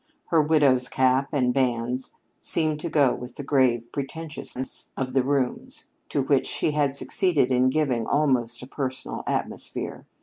Her widow's cap and bands seemed to go with the grave pretentiousness of the rooms, to which she had succeeded in giving almost a personal atmosphere.